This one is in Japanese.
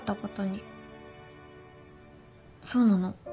そうなの？